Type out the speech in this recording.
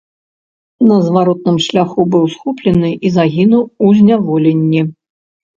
На зваротным шляху быў схоплены і загінуў у зняволенні.